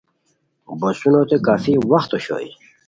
بوسونوت کافی وخت اوشوئے